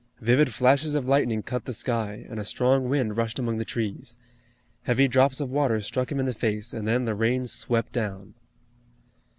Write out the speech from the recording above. Vivid flashes of lightning cut the sky, and a strong wind rushed among the trees. Heavy drops of water struck him in the face and then the rain swept down.